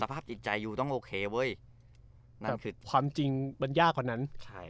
ภาพจิตใจยูต้องโอเคเว้ยนั่นคือความจริงมันยากกว่านั้นใช่